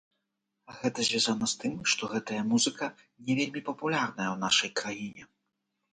Гэта звязана з тым, што гэтая музыка не вельмі папулярная ў нашай краіне.